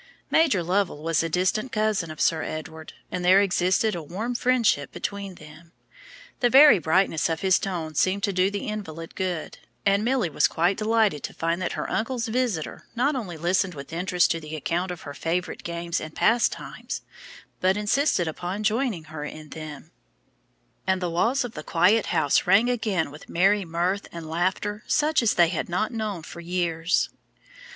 Major Lovell was a distant cousin of Sir Edward, and there existed a warm friendship between them. The very brightness of his tone seemed to do the invalid good, and Milly was quite delighted to find that her uncle's visitor not only listened with interest to the account of her favorite games and pastimes, but insisted upon joining her in them, and the walls of the quiet old house rang again with merry mirth and laughter such as they had not known for years.